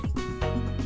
cục bộ có nắng nắng nha